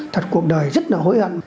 thật cuộc đời rất là hối hận